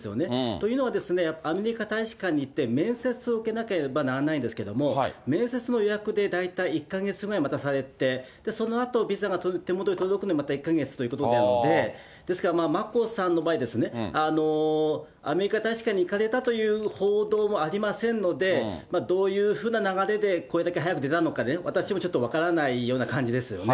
というのは、アメリカ大使館に行って、面接を受けなければならないんですけれども、面接の予約で大体１か月待たされて、そのあとビザが手元に届くのにまた１か月ということなので、ですから、眞子さんの場合、アメリカ大使館に行かれたという報道もありませんので、どういうふうな流れで、これだけ早く出たのかね、私もちょっと分からないような感じですよね。